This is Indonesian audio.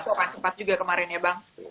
itu akan cepat juga kemarin ya bang